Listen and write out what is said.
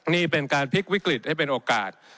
นี่เป็นการพลิกวิกฤตให้เป็นโอกาส